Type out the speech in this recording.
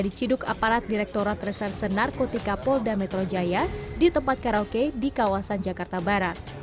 diciduk aparat direkturat reserse narkotika polda metro jaya di tempat karaoke di kawasan jakarta barat